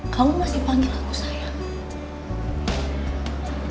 kamu masih panggil aku sayang